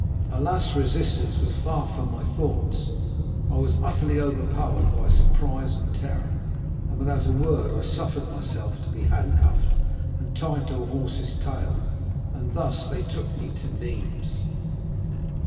"Alas, resistance was far from my thoughts. I was utterly overpowered by surprise and terror; and without a word I suffered myself to be handcuffed and tied to a horse's tail, and thus they took me to Nîmes.